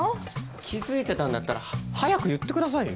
気付いてたんだったらは早く言ってくださいよ。